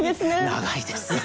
長いですよ。